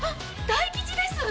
大吉です！